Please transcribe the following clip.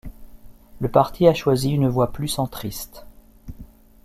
Le parti a choisi une voie plus centriste.